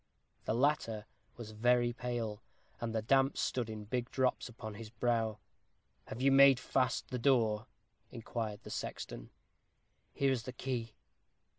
The latter was very pale, and the damp stood in big drops upon his brow. "Have you made fast the door?" inquired the sexton. "Here is the key."